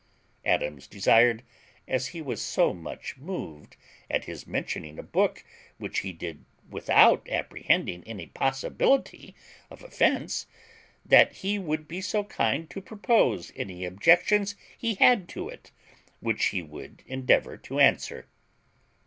Adams desired, "as he was so much moved at his mentioning a book which he did without apprehending any possibility of offence, that he would be so kind to propose any objections he had to it, which he would endeavour to answer."